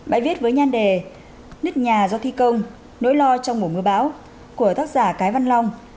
bài viết với nhan đề nứt nhà do thi công nỗi lo trong mùa mưa bão của tác giả cái văn long